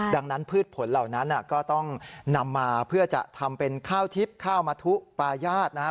ดังนั้นพืชผลเหล่านั้นก็ต้องนำมาเพื่อจะทำเป็นข้าวทิพย์ข้าวมะทุปาญาตินะฮะ